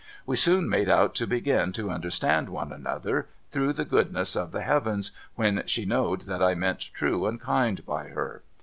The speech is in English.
We soon made out to begin to understand one another, through the goodness of the Heavens, when she knowed that I meant true and kind by her.